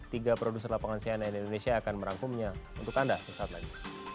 tiga produser lapangan cnn indonesia akan merangkumnya untuk anda sesaat lagi